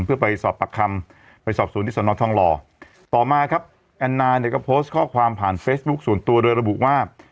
เพื่อไปสอบปากคำไปสอบสวนที่สนทองหล่อต่อมาครับแอนนาเนี่ยก็โพสต์ข้อความผ่านเฟซบุ๊คส่วนตัวโดยระบุว่า